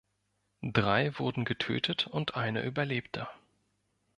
Drei wurden getötet und einer überlebte.